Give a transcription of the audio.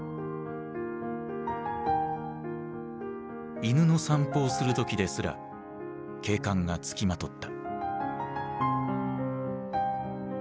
犬の散歩をする時ですら警官が付きまとった。